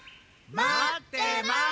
まってますっち！